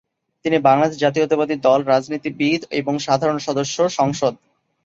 তিনি বাংলাদেশ জাতীয়তাবাদী দল রাজনীতিবিদ এবং সাবেক সদস্য সংসদ।